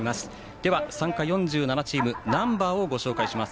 では、参加４７チームのナンバーをご紹介します。